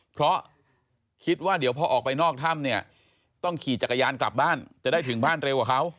เพราะคิดว่าเดี๋ยวพอออกไปนอกถ้ำเนี่ยต้องขี่จักรยานกลับบ้านจะได้ถึงบ้านเร็วกว่าเขา